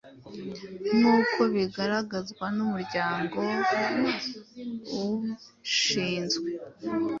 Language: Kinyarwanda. nk’uko bigaragazwa n’umuryango ubshinzwe